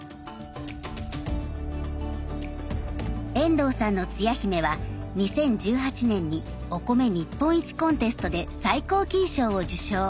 遠藤さんのつや姫は２０１８年にお米日本一コンテストで最高金賞を受賞。